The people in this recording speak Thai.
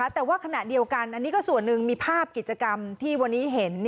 แต่ว่าขณะเดียวกันอันนี้ก็ส่วนหนึ่งมีภาพกิจกรรมที่วันนี้เห็น